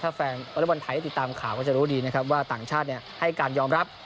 ถ้าแฟนวอเล็กบอลไทยติดตามข่าวก็จะรู้ดีนะครับว่าต่างชาติให้การยอมรับ